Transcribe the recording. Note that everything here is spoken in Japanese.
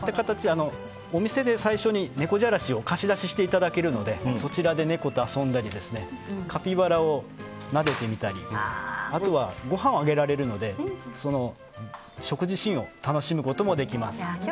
お店で最初にネコジャラシを貸出していただけるのでそちらで猫と遊んだりカピバラをなでてみたりあとはごはんをあげられるので食事シーンを楽しむこともできます。